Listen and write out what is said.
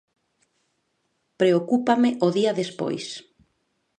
Preocúpame o día despois.